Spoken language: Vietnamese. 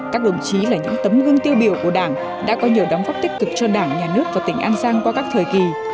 các đồng chí là những tấm gương tiêu biểu của đảng đã có nhiều đóng góp tích cực cho đảng nhà nước và tỉnh an giang qua các thời kỳ